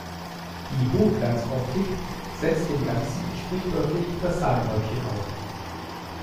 Die Hochglanzoptik setzt dem Ganzen sprichwörtlich das Sahnehäubchen auf.